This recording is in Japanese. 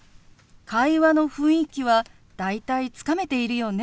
会話の雰囲気は大体つかめているようね。